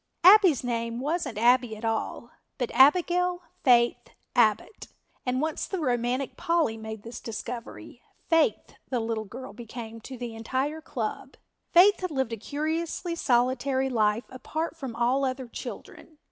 Abbie's name wasn't Abbie at all, but Abigail Faith Abbott, and once the romantic Polly made this discovery, Faith the little girl became to the entire club. Faith had lived a curiously solitary life apart from all other children.